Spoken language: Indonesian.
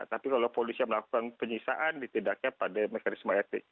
tapi kalau polisi melakukan penyisaan ditindaknya pada mekanisme etik